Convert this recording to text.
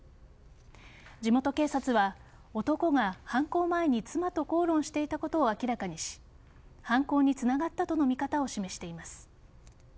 地元警察は男が犯行前に妻と口論していたことを明らかにし犯行につながったとの見方を示しています。